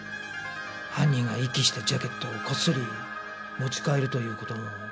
犯人が遺棄したジャケットをこっそり持ち帰るという事も可能です。